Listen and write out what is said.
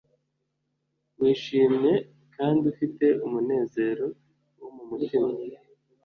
wishimye kandi ufite umunezero+ wo mu mutima